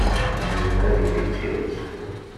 Yezmer ad yili d tidet.